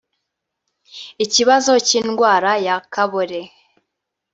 Ikibazo cy’indwara ya Kabore